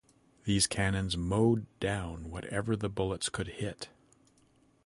These cannons mowed down whatever the bullets could hit.